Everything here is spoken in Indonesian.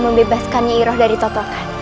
membebaskan nyi iroh dari totokan